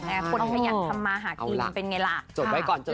ละก็เพราะผลขยันทำมาหาผู้ขึ้น